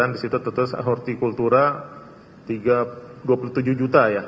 di situ tetap hurti kultura rp dua puluh tujuh juta ya